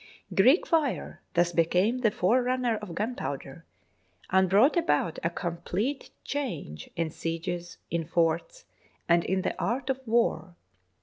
Greek fire thus became the forerunner of gunpowder, and brought about a complete change in sieges, in forts, and in the art of war.